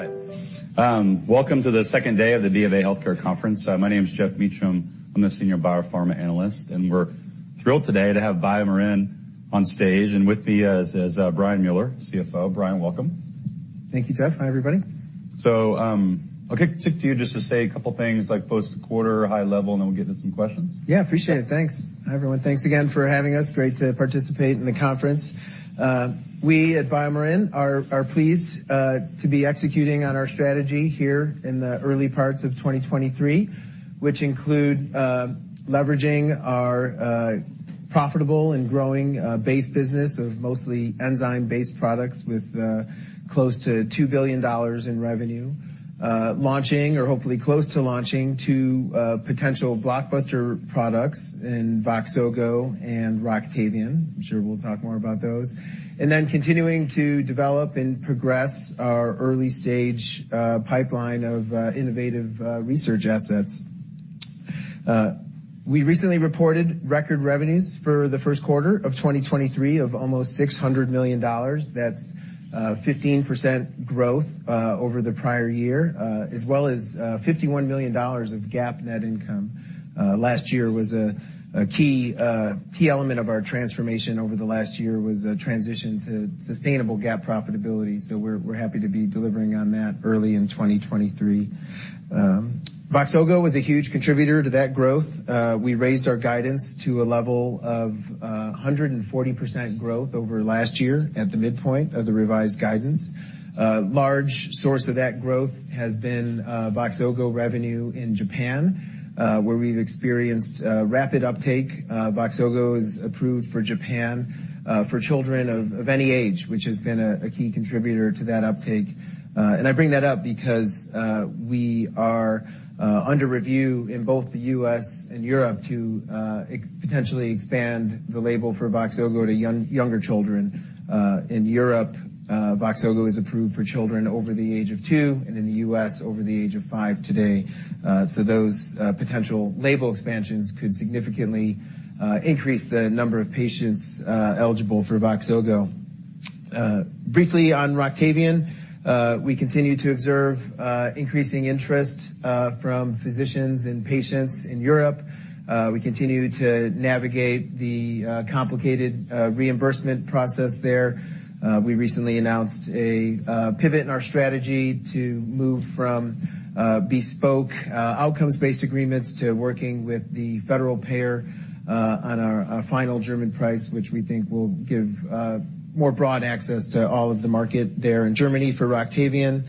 All right. Welcome to the second day of the B of A Healthcare Conference. My name is Geoff Meacham. I'm a Senior BioPharma Analyst, and we're thrilled today to have BioMarin on stage. And with me is Brian Mueller, CFO. Brian, welcome. Thank you, Geoff. Hi, everybody. So, I'll kick to you just to say a couple of things, like post-quarter, high level, and then we'll get into some questions. Yeah, appreciate it. Thanks. Hi, everyone. Thanks again for having us. Great to participate in the conference. We at BioMarin are pleased to be executing on our strategy here in the early parts of 2023, which includes leveraging our profitable and growing base business of mostly enzyme-based products with close to $2 billion in revenue, launching, or hopefully close to launching, two potential blockbuster products in Voxzogo and Roctavian. I'm sure we'll talk more about those. And then continuing to develop and progress our early-stage pipeline of innovative research assets. We recently reported record revenues for the first quarter of 2023 of almost $600 million. That's 15% growth over the prior year, as well as $51 million of GAAP net income. Last year was a key element of our transformation over the last year, a transition to sustainable GAAP profitability. So we're happy to be delivering on that early in 2023. Voxzogo was a huge contributor to that growth. We raised our guidance to a level of 140% growth over last year at the midpoint of the revised guidance. A large source of that growth has been Voxzogo revenue in Japan, where we've experienced rapid uptake. Voxzogo is approved for Japan for children of any age, which has been a key contributor to that uptake. And I bring that up because we are under review in both the U.S. and Europe to potentially expand the label for Voxzogo to younger children. In Europe, Voxzogo is approved for children over the age of two and in the U.S. over the age of five today. So those potential label expansions could significantly increase the number of patients eligible for Voxzogo. Briefly on Roctavian, we continue to observe increasing interest from physicians and patients in Europe. We continue to navigate the complicated reimbursement process there. We recently announced a pivot in our strategy to move from bespoke outcomes-based agreements to working with the federal payer on our final German price, which we think will give more broad access to all of the market there in Germany for Roctavian.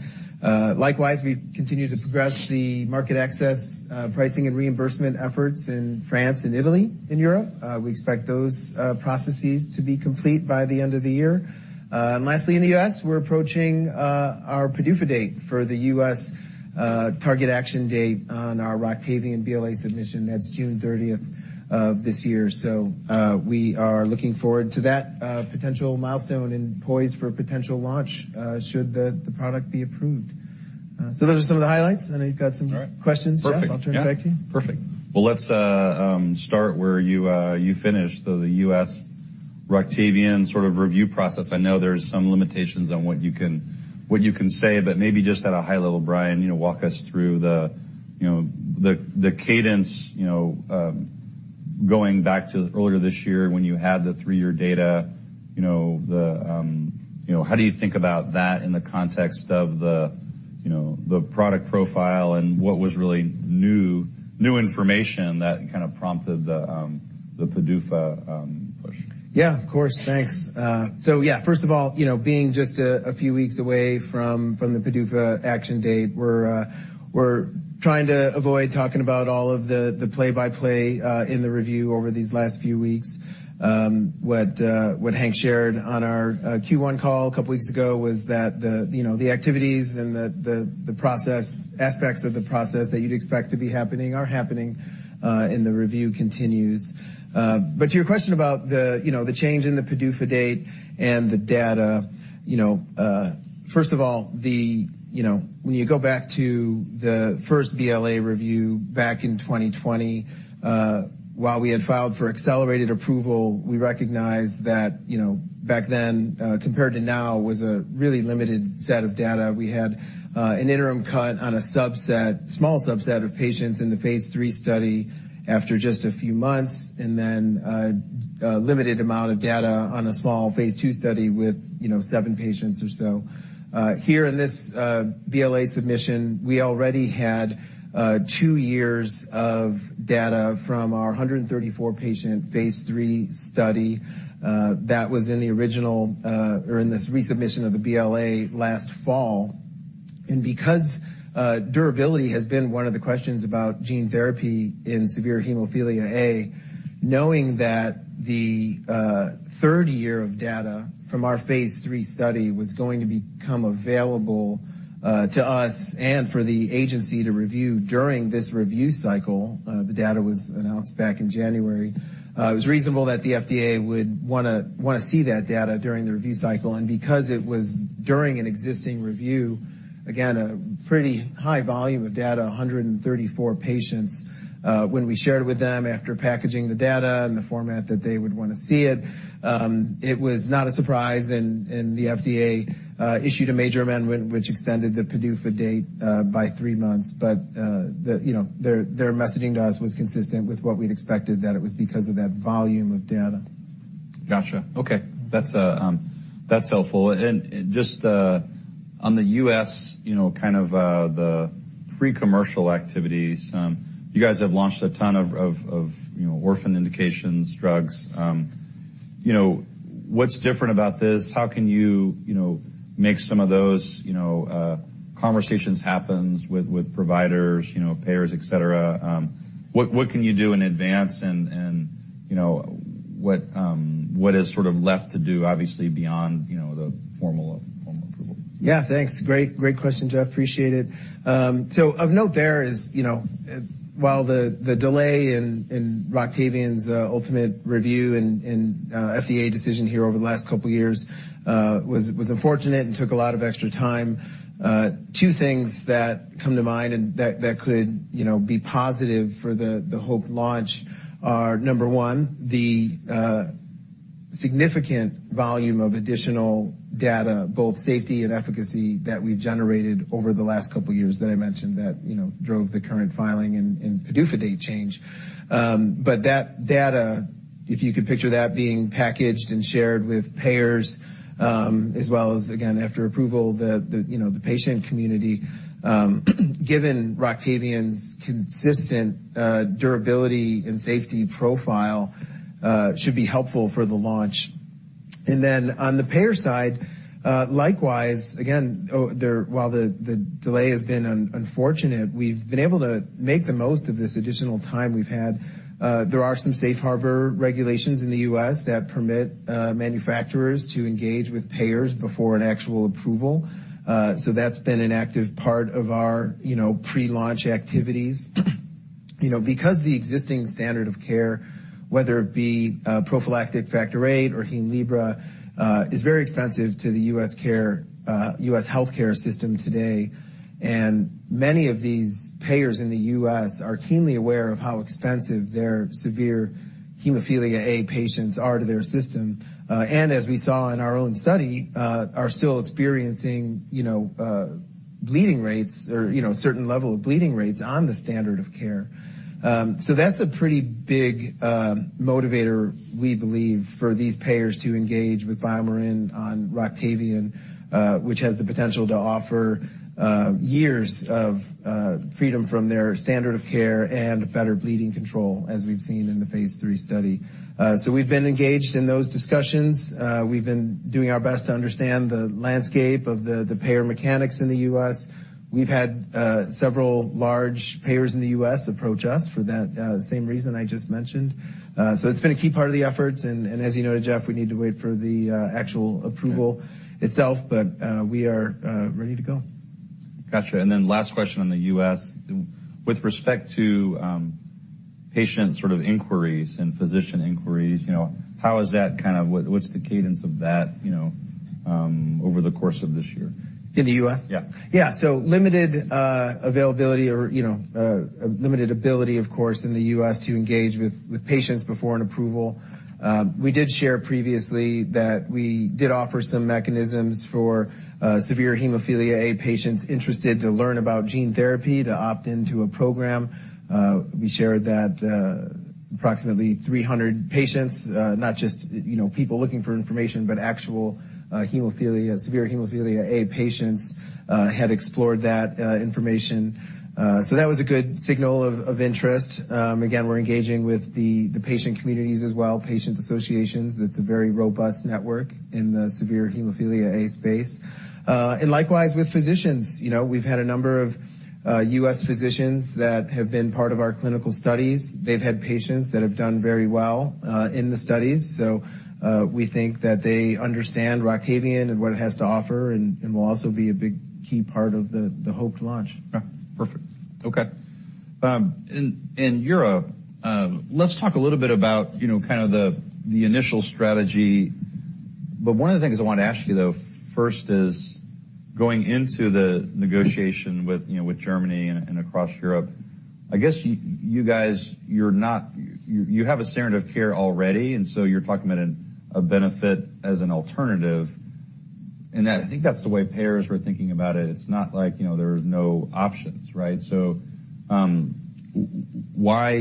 Likewise, we continue to progress the market access pricing and reimbursement efforts in France and Italy in Europe. We expect those processes to be complete by the end of the year. And lastly, in the U.S., we're approaching our PDUFA date for the U.S. target action date on our Roctavian BLA submission. That's June 30th of this year. So we are looking forward to that potential milestone and poised for potential launch should the product be approved. So those are some of the highlights. And then we've got some questions. Perfect. I'll turn it back to you. Perfect. Well, let's start where you finished the US Roctavian sort of review process. I know there's some limitations on what you can say, but maybe just at a high level, Brian, walk us through the cadence going back to earlier this year when you had the three-year data. How do you think about that in the context of the product profile and what was really new information that kind of prompted the PDUFA push? Yeah, of course. Thanks. So yeah, first of all, being just a few weeks away from the PDUFA action date, we're trying to avoid talking about all of the play-by-play in the review over these last few weeks. What Hank shared on our Q1 call a couple of weeks ago was that the activities and the process aspects of the process that you'd expect to be happening are happening and the review continues. But to your question about the change in the PDUFA date and the data, first of all, when you go back to the first BLA review back in 2020, while we had filed for accelerated approval, we recognized that back then, compared to now, was a really limited set of data. We had an interim cut on a small subset of patients in the phase III study after just a few months, and then a limited amount of data on a small phase II study with seven patients or so. Here in this BLA submission, we already had two years of data from our 134-patient phase III study that was in the original or in this resubmission of the BLA last fall. And because durability has been one of the questions about gene therapy in severe hemophilia A, knowing that the third year of data from our phase III study was going to become available to us and for the agency to review during this review cycle, the data was announced back in January. It was reasonable that the FDA would want to see that data during the review cycle. And because it was during an existing review, again, a pretty high volume of data, 134 patients, when we shared with them after packaging the data in the format that they would want to see it, it was not a surprise. And the FDA issued a major amendment, which extended the PDUFA date by three months. But their messaging to us was consistent with what we'd expected, that it was because of that volume of data. Gotcha. Okay. That's helpful. And just on the U.S., kind of the pre-commercial activities, you guys have launched a ton of orphan indications drugs. What's different about this? How can you make some of those conversations happen with providers, payers, etc.? What can you do in advance? And what is sort of left to do, obviously, beyond the formal approval? Yeah, thanks. Great question, Geoff. Appreciate it. So of note there is, while the delay in Roctavian's ultimate review and FDA decision here over the last couple of years was unfortunate and took a lot of extra time, two things that come to mind and that could be positive for the Roctavian launch are, number one, the significant volume of additional data, both safety and efficacy, that we've generated over the last couple of years that I mentioned that drove the current filing and PDUFA date change. But that data, if you could picture that being packaged and shared with payers, as well as, again, after approval, the patient community, given Roctavian's consistent durability and safety profile, should be helpful for the launch. Then on the payer side, likewise, again, while the delay has been unfortunate, we've been able to make the most of this additional time we've had. There are some safe harbor regulations in the U.S. that permit manufacturers to engage with payers before an actual approval. So that's been an active part of our pre-launch activities. Because the existing standard of care, whether it be prophylactic Factor VIII or Hemlibra, is very expensive to the U.S. healthcare system today. And many of these payers in the U.S. are keenly aware of how expensive their severe hemophilia A patients are to their system. And as we saw in our own study, are still experiencing bleeding rates or a certain level of bleeding rates on the standard of care. So that's a pretty big motivator, we believe, for these payers to engage with BioMarin on Roctavian, which has the potential to offer years of freedom from their standard of care and better bleeding control, as we've seen in the phase III study. So we've been engaged in those discussions. We've been doing our best to understand the landscape of the payer mechanics in the U.S. We've had several large payers in the U.S. approach us for that same reason I just mentioned. So it's been a key part of the efforts. And as you noted, Geoff, we need to wait for the actual approval itself, but we are ready to go. Gotcha. And then last question on the U.S. With respect to patient sort of inquiries and physician inquiries, how is that kind of, what's the cadence of that over the course of this year? In the U.S.? Yeah. Yeah. So limited availability or limited ability, of course, in the U.S. to engage with patients before an approval. We did share previously that we did offer some mechanisms for severe hemophilia A patients interested to learn about gene therapy to opt into a program. We shared that approximately 300 patients, not just people looking for information, but actual severe hemophilia A patients had explored that information. So that was a good signal of interest. Again, we're engaging with the patient communities as well, patient associations. That's a very robust network in the severe hemophilia A space. And likewise with physicians. We've had a number of U.S. physicians that have been part of our clinical studies. They've had patients that have done very well in the studies. So we think that they understand Roctavian and what it has to offer and will also be a big key part of the hope to launch. Perfect. Okay. In Europe, let's talk a little bit about kind of the initial strategy. But one of the things I want to ask you, though, first, is going into the negotiation with Germany and across Europe, I guess you guys, you have a standard of care already, and so you're talking about a benefit as an alternative. And I think that's the way payers were thinking about it. It's not like there are no options, right? So why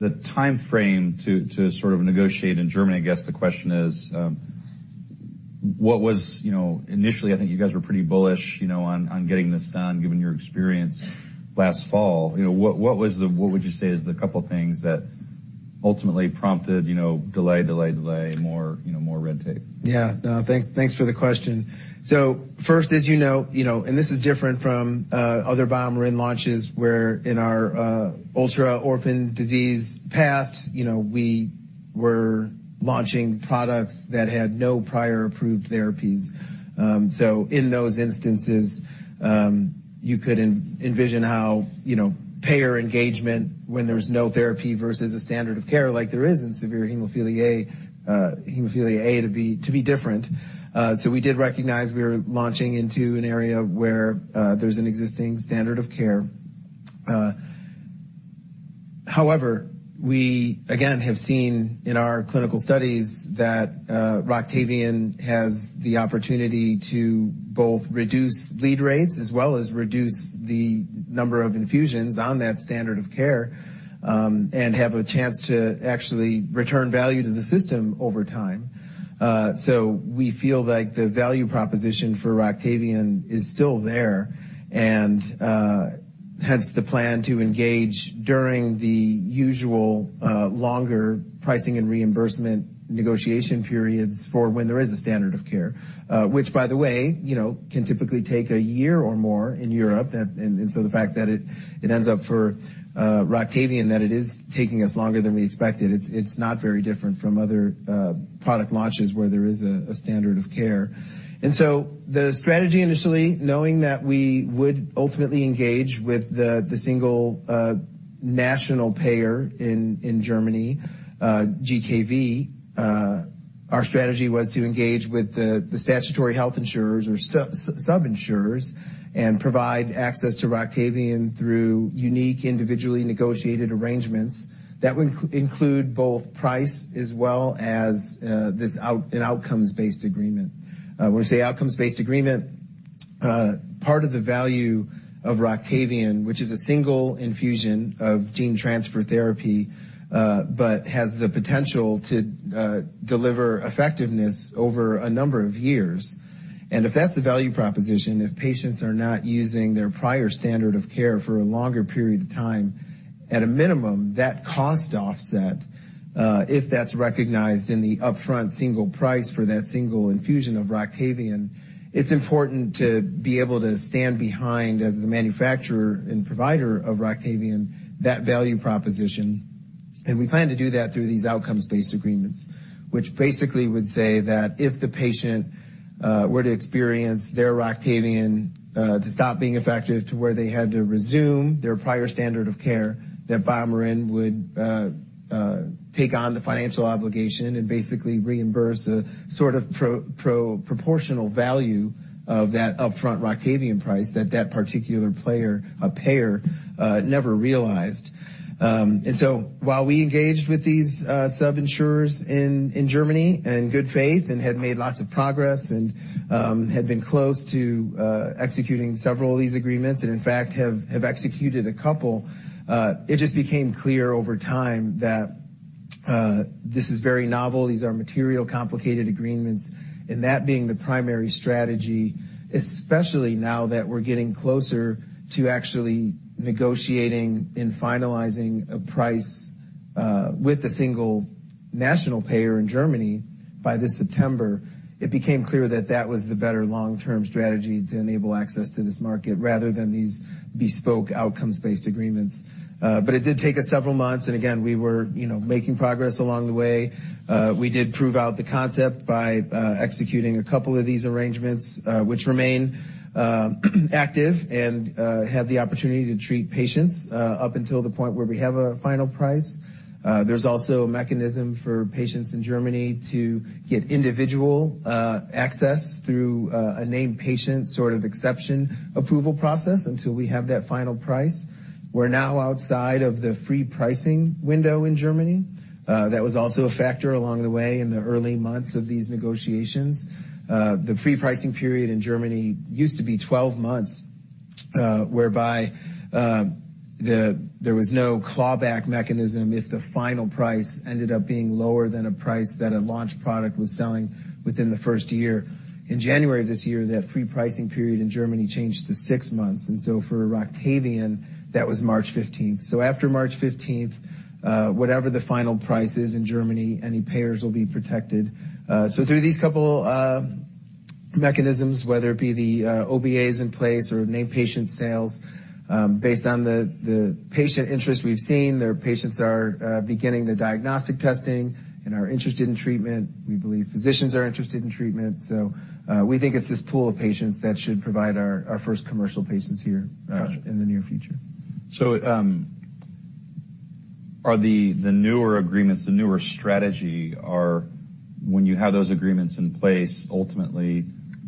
the timeframe to sort of negotiate in Germany, I guess the question is, what was initially, I think you guys were pretty bullish on getting this done, given your experience last fall. What would you say is the couple of things that ultimately prompted delay, delay, delay, more red tape? Yeah. Thanks for the question. So first, as you know, and this is different from other BioMarin launches where in our ultra-orphan disease past, we were launching products that had no prior approved therapies. So in those instances, you could envision how payer engagement when there's no therapy versus a standard of care like there is in severe hemophilia A to be different. So we did recognize we were launching into an area where there's an existing standard of care. However, we again have seen in our clinical studies that Roctavian has the opportunity to both reduce bleed rates as well as reduce the number of infusions on that standard of care and have a chance to actually return value to the system over time. So we feel like the value proposition for Roctavian is still there. And hence the plan to engage during the usual longer pricing and reimbursement negotiation periods for when there is a standard of care, which, by the way, can typically take a year or more in Europe. And so the fact that it ends up for Roctavian that it is taking us longer than we expected, it's not very different from other product launches where there is a standard of care. And so the strategy initially, knowing that we would ultimately engage with the single national payer in Germany, GKV, our strategy was to engage with the statutory health insurers or sub-insurers and provide access to Roctavian through unique individually negotiated arrangements that would include both price as well as an outcomes-based agreement. When we say outcomes-based agreement, part of the value of Roctavian, which is a single infusion of gene transfer therapy, but has the potential to deliver effectiveness over a number of years, and if that's the value proposition, if patients are not using their prior standard of care for a longer period of time, at a minimum, that cost offset, if that's recognized in the upfront single price for that single infusion of Roctavian, it's important to be able to stand behind as the manufacturer and provider of Roctavian that value proposition. We plan to do that through these outcomes-based agreements, which basically would say that if the patient were to experience their Roctavian to stop being effective to where they had to resume their prior standard of care, that BioMarin would take on the financial obligation and basically reimburse a sort of proportional value of that upfront Roctavian price that that particular payer never realized. So while we engaged with these sub-insurers in Germany in good faith and had made lots of progress and had been close to executing several of these agreements and in fact have executed a couple, it just became clear over time that this is very novel. These are material complicated agreements. And that being the primary strategy, especially now that we're getting closer to actually negotiating and finalizing a price with a single national payer in Germany by this September, it became clear that that was the better long-term strategy to enable access to this market rather than these bespoke outcomes-based agreements. But it did take us several months. And again, we were making progress along the way. We did prove out the concept by executing a couple of these arrangements, which remain active and have the opportunity to treat patients up until the point where we have a final price. There's also a mechanism for patients in Germany to get individual access through a named patient sort of exception approval process until we have that final price. We're now outside of the free pricing window in Germany. That was also a factor along the way in the early months of these negotiations. The free pricing period in Germany used to be 12 months, whereby there was no clawback mechanism if the final price ended up being lower than a price that a launch product was selling within the first year. In January of this year, that free pricing period in Germany changed to six months, and so for Roctavian, that was March 15th, so after March 15th, whatever the final price is in Germany, any payers will be protected, so through these couple of mechanisms, whether it be the OBAs in place or named patient sales, based on the patient interest we've seen, their patients are beginning the diagnostic testing and are interested in treatment. We believe physicians are interested in treatment. So we think it's this pool of patients that should provide our first commercial patients here in the near future. So are the newer agreements, the newer strategy, when you have those agreements in place, ultimately,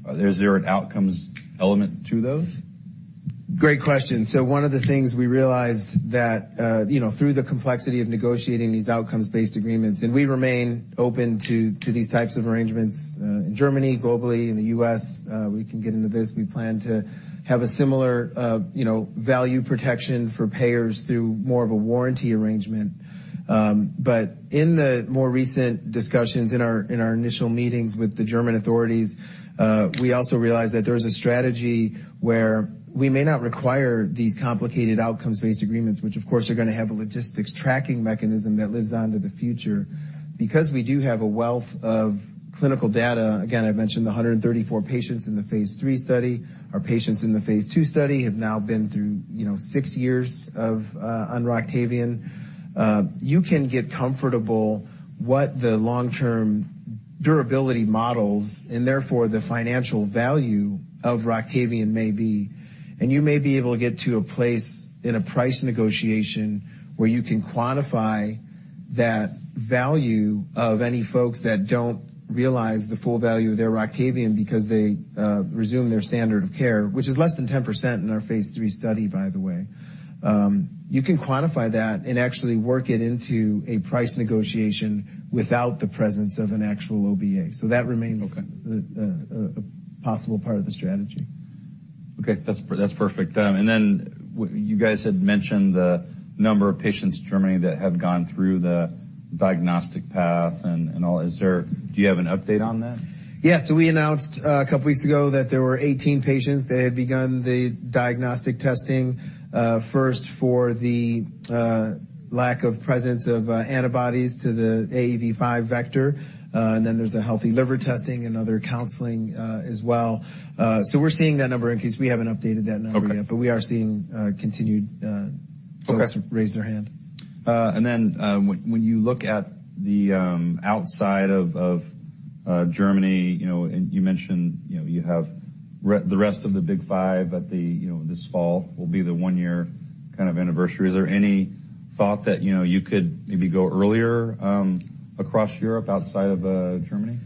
is there an outcomes element to those? Great question. So one of the things we realized that through the complexity of negotiating these outcomes-based agreements, and we remain open to these types of arrangements in Germany, globally, in the U.S., we can get into this. We plan to have a similar value protection for payers through more of a warranty arrangement. But in the more recent discussions, in our initial meetings with the German authorities, we also realized that there's a strategy where we may not require these complicated outcomes-based agreements, which, of course, are going to have a logistics tracking mechanism that lives on to the future. Because we do have a wealth of clinical data, again, I've mentioned the 134 patients in the phase III study. Our patients in the phase II study have now been through six years on Roctavian. You can get comfortable what the long-term durability models and therefore the financial value of Roctavian may be. And you may be able to get to a place in a price negotiation where you can quantify that value of any folks that don't realize the full value of their Roctavian because they resume their standard of care, which is less than 10% in our phase III study, by the way. You can quantify that and actually work it into a price negotiation without the presence of an actual OBA. So that remains a possible part of the strategy. Okay. That's perfect. And then you guys had mentioned the number of patients in Germany that have gone through the diagnostic path and all. Do you have an update on that? Yeah. So we announced a couple of weeks ago that there were 18 patients that had begun the diagnostic testing first for the lack of presence of antibodies to the AAV5 vector. And then there's a healthy liver testing and other counseling as well. So we're seeing that number increase. We haven't updated that number yet, but we are seeing continued folks raise their hand. And then, when you look outside of Germany, you mentioned you have the rest of the big five that this fall will be the one-year kind of anniversary. Is there any thought that you could maybe go earlier across Europe outside of Germany?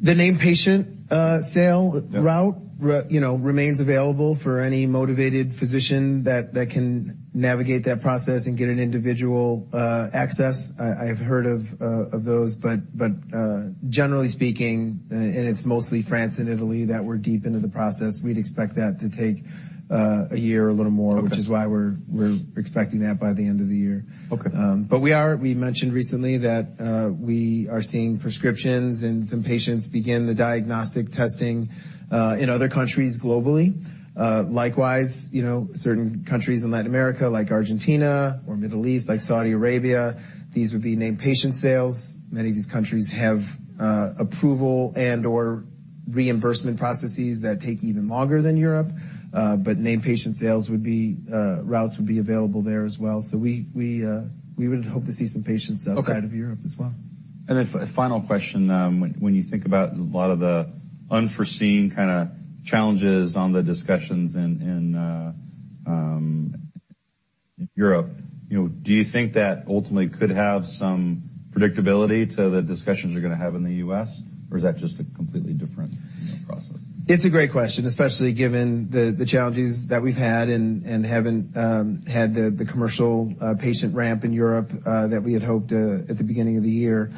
The named patient sales route remains available for any motivated physician that can navigate that process and get an individual access. I have heard of those. But generally speaking, and it's mostly France and Italy that we're deep into the process, we'd expect that to take a year or a little more, which is why we're expecting that by the end of the year. But we mentioned recently that we are seeing prescriptions and some patients begin the diagnostic testing in other countries globally. Likewise, certain countries in Latin America like Argentina or Middle East like Saudi Arabia, these would be named patient sales. Many of these countries have approval and/or reimbursement processes that take even longer than Europe. But named patient sales routes would be available there as well. So we would hope to see some patients outside of Europe as well. And then, final question. When you think about a lot of the unforeseen kind of challenges on the discussions in Europe, do you think that ultimately could have some predictability to the discussions you're going to have in the U.S.? Or is that just a completely different process? It's a great question, especially given the challenges that we've had and haven't had the commercial patient ramp in Europe that we had hoped at the beginning of the year.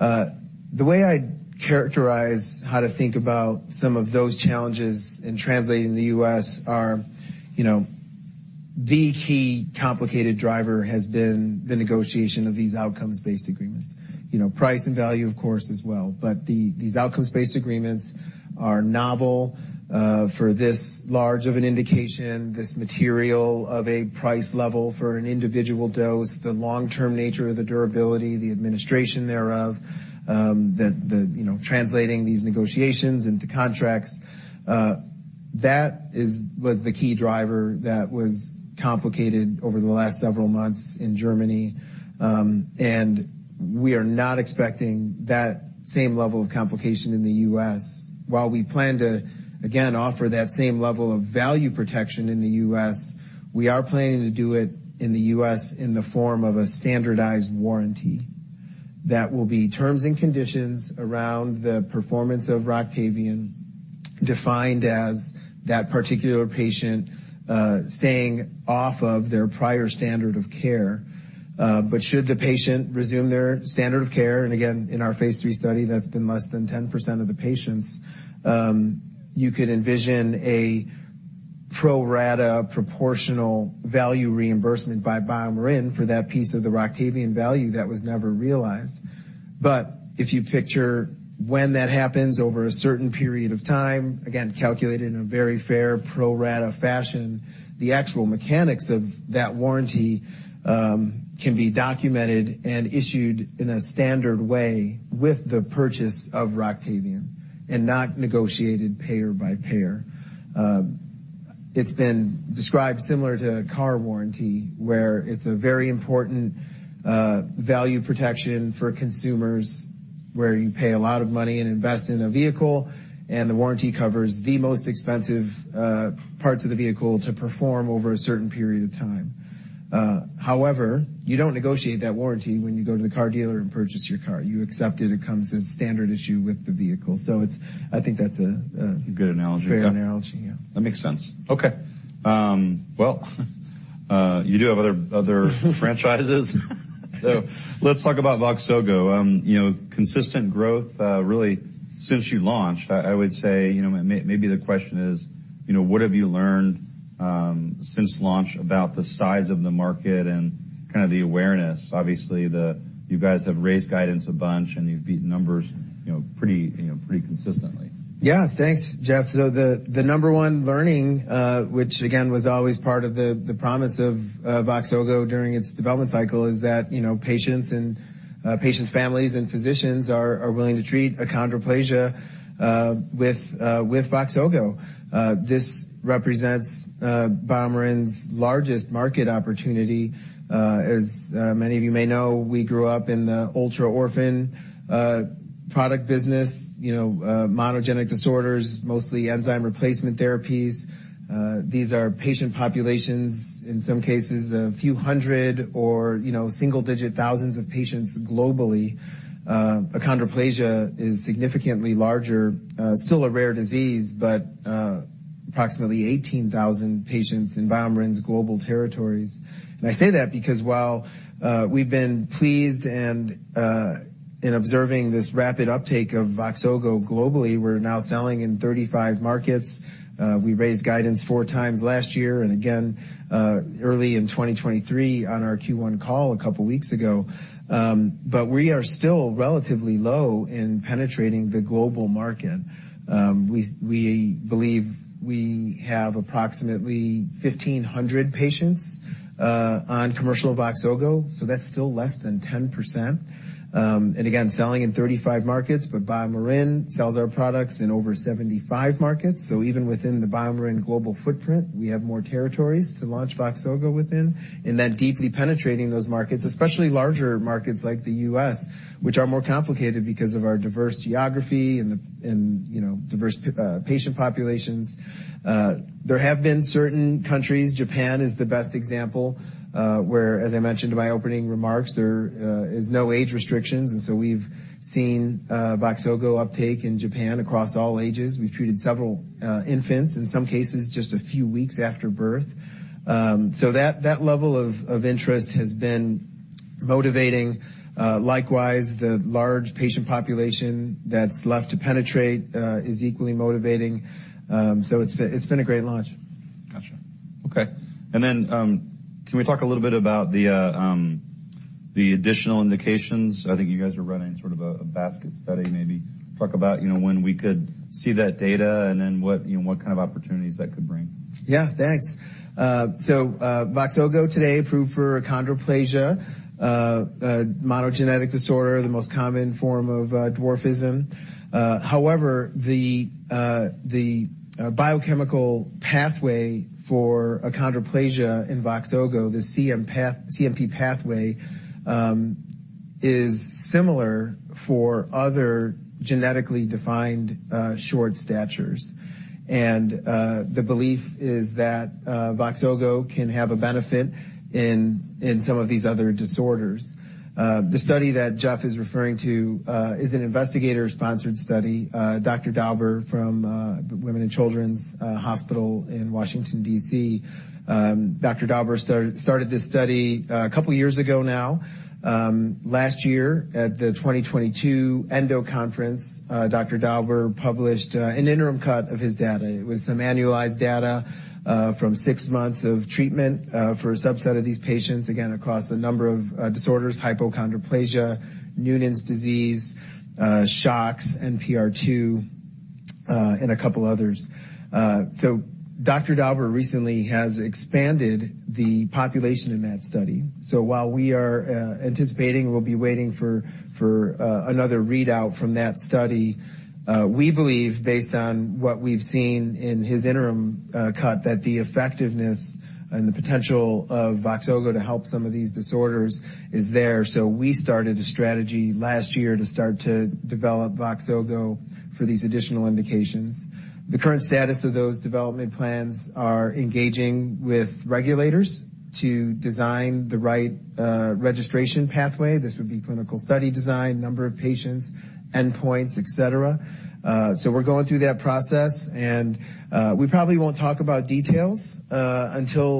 The way I characterize how to think about some of those challenges in translating the U.S. are the key complicated driver has been the negotiation of these outcomes-based agreements. Price and value, of course, as well. But these outcomes-based agreements are novel for this large of an indication, this material of a price level for an individual dose, the long-term nature of the durability, the administration thereof, the translating these negotiations into contracts. That was the key driver that was complicated over the last several months in Germany. And we are not expecting that same level of complication in the U.S. While we plan to, again, offer that same level of value protection in the U.S., we are planning to do it in the U.S. in the form of a standardized warranty that will be terms and conditions around the performance of Roctavian, defined as that particular patient staying off of their prior standard of care. But should the patient resume their standard of care, and again, in our phase III study, that's been less than 10% of the patients, you could envision a pro rata proportional value reimbursement by BioMarin for that piece of the Roctavian value that was never realized. But if you picture when that happens over a certain period of time, again, calculated in a very fair pro rata fashion, the actual mechanics of that warranty can be documented and issued in a standard way with the purchase of Roctavian and not negotiated payer by payer. It's been described similar to a car warranty where it's a very important value protection for consumers where you pay a lot of money and invest in a vehicle, and the warranty covers the most expensive parts of the vehicle to perform over a certain period of time. However, you don't negotiate that warranty when you go to the car dealer and purchase your car. You accept it. It comes as standard issue with the vehicle. So I think that's a fair analogy. Good analogy. That makes sense. Okay. Well, you do have other franchises. So let's talk about Voxzogo. Consistent growth, really, since you launched. I would say maybe the question is, what have you learned since launch about the size of the market and kind of the awareness? Obviously, you guys have raised guidance a bunch and you've beaten numbers pretty consistently. Yeah. Thanks, Geoff. The number one learning, which again was always part of the promise of Voxzogo during its development cycle, is that patients and patients' families and physicians are willing to treat achondroplasia with Voxzogo. This represents BioMarin's largest market opportunity. As many of you may know, we grew up in the ultra-orphan product business, monogenic disorders, mostly enzyme replacement therapies. These are patient populations, in some cases, a few hundred or single-digit thousands of patients globally. Achondroplasia is significantly larger, still a rare disease, but approximately 18,000 patients in BioMarin's global territories, and I say that because while we've been pleased in observing this rapid uptake of Voxzogo globally, we're now selling in 35 markets. We raised guidance four times last year and again early in 2023 on our Q1 call a couple of weeks ago, but we are still relatively low in penetrating the global market. We believe we have approximately 1,500 patients on commercial Voxzogo. So that's still less than 10%. And again, selling in 35 markets, but BioMarin sells our products in over 75 markets. So even within the BioMarin global footprint, we have more territories to launch Voxzogo within. And then deeply penetrating those markets, especially larger markets like the U.S., which are more complicated because of our diverse geography and diverse patient populations. There have been certain countries. Japan is the best example, where, as I mentioned in my opening remarks, there are no age restrictions. And so we've seen Voxzogo uptake in Japan across all ages. We've treated several infants, in some cases just a few weeks after birth. So that level of interest has been motivating. Likewise, the large patient population that's left to penetrate is equally motivating. So it's been a great launch. Gotcha. Okay, and then can we talk a little bit about the additional indications? I think you guys are running sort of a basket study maybe. Talk about when we could see that data and then what kind of opportunities that could bring. Yeah. Thanks. So Voxzogo today approved for achondroplasia, monogenic disorder, the most common form of dwarfism. However, the biochemical pathway for achondroplasia in Voxzogo, the CNP pathway, is similar for other genetically defined short statures, and the belief is that Voxzogo can have a benefit in some of these other disorders. The study that Geoff is referring to is an investigator-sponsored study, Dr. Dauber from Children's National Hospital in Washington, D.C. Dr. Dauber started this study a couple of years ago now. Last year at the 2022 Endo Conference, Dr. Dauber published an interim cut of his data. It was some annualized data from six months of treatment for a subset of these patients, again, across a number of disorders, hypochondroplasia, Noonan syndrome, SHOX deficiency, NPR2, and a couple of others. So Dr. Dauber recently has expanded the population in that study. While we are anticipating, we'll be waiting for another readout from that study. We believe, based on what we've seen in this interim cut, that the effectiveness and the potential of Voxzogo to help some of these disorders is there. We started a strategy last year to start to develop Voxzogo for these additional indications. The current status of those development plans is engaging with regulators to design the right registration pathway. This would be clinical study design, number of patients, endpoints, etc. We're going through that process. We probably won't talk about details until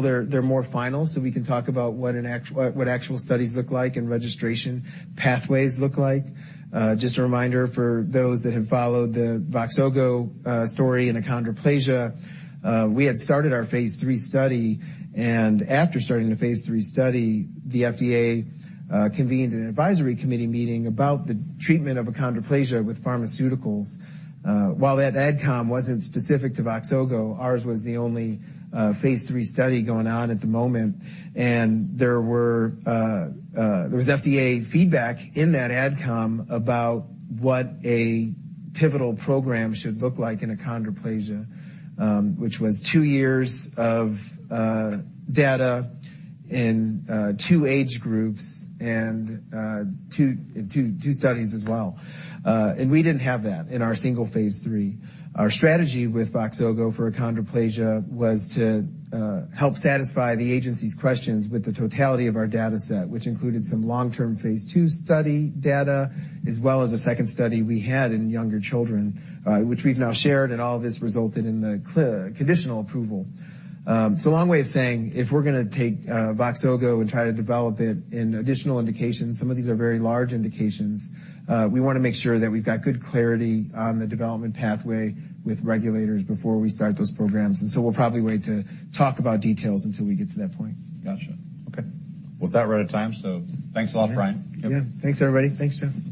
they're more final so we can talk about what actual studies look like and registration pathways look like. Just a reminder for those that have followed the Voxzogo story and achondroplasia, we had started our phase III study. And after starting the phase III study, the FDA convened an advisory committee meeting about the treatment of achondroplasia with pharmaceuticals. While that AdCom wasn't specific to Voxzogo, ours was the only phase III study going on at the moment. And there was FDA feedback in that AdCom about what a pivotal program should look like in achondroplasia, which was two years of data in two age groups and two studies as well. And we didn't have that in our single phase III. Our strategy with Voxzogo for achondroplasia was to help satisfy the agency's questions with the totality of our data set, which included some long-term phase II study data, as well as a second study we had in younger children, which we've now shared. And all of this resulted in the conditional approval. It's a long way of saying if we're going to take Voxzogo and try to develop it in additional indications, some of these are very large indications, we want to make sure that we've got good clarity on the development pathway with regulators before we start those programs, and so we'll probably wait to talk about details until we get to that point. Gotcha. Okay. With that, we're out of time. So thanks a lot, Brian. Yeah. Thanks, everybody. Thanks, Geoff.